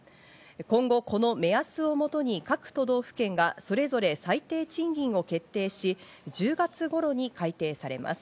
今後この目安をもとに、各都道府県がそれぞれ最低賃金を決定し、１０月頃に改定されます。